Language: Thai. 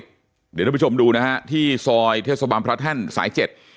เดี๋ยวท่านผู้ชมดูนะฮะที่ซอยเทศบาลพระแท่นสายเจ็ด